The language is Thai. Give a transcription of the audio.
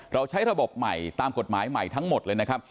เราใช้ระบบใหม่ตามกฎหมายใหม่ทั้งหมดเลยนะครับ